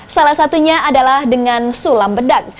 salah satunya adalah dengan sulam bedak